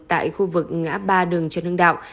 tại khu vực ngã ba đường trần hưng đạo